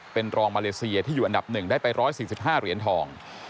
เป็นรองมาเลเซียที่อยู่อันดับ๑ได้ไป๑๔๕เหรียญทอง